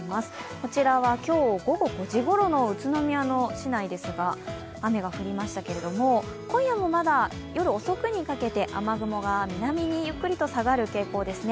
こちらは今日午後５時頃の宇都宮の市内ですが雨が降りましたけれども、今夜もまだ夜遅くにかけて雨雲が南にゆっくりと下がる傾向ですね。